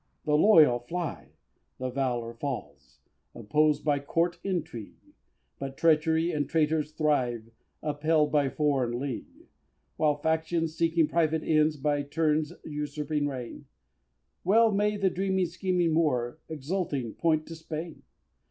The loyal fly, and Valor falls, Opposed by court intrigue; But treachery and traitors thrive, Upheld by foreign league; While factions seeking private ends By turns usurping reign Well may the dreaming, scheming Moor Exulting point to Spain!